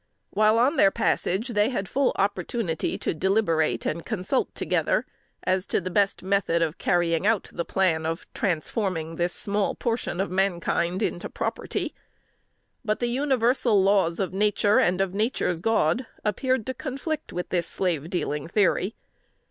While on their passage, they had full opportunity to deliberate and consult together as to the best mode of carrying out the plan of transforming this small portion of mankind into property; but the universal laws of Nature and of Nature's God appeared to conflict with this slave dealing theory.